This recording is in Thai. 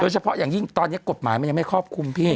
เฉพาะอย่างยิ่งตอนนี้กฎหมายมันยังไม่ครอบคลุมพี่